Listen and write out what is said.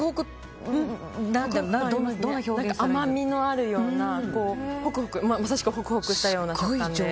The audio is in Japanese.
甘みのあるようなまさしくホクホクしたような食感で。